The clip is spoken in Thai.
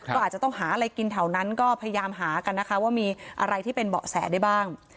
ก็อาจจะต้องหาอะไรกินแถวนั้นก็พยายามหากันนะคะว่ามีอะไรที่เป็นเบาะแสได้บ้าง